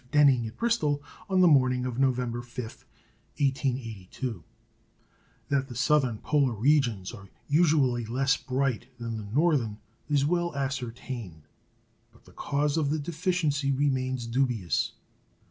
Denning at Bristol on the morning of November 5, 1882. That the southern polar regions are usually less bright than the northern is well ascertained; but the cause of the deficiency remains dubious.